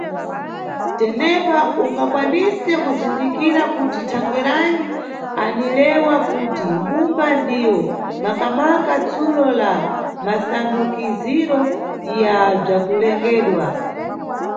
Tenepa ungakwanise kuzindikira kuti thangweranyi anilewa kuti mbumba ndiyo maka-maka tsulo la masandukiziro ya bzakulengedwa.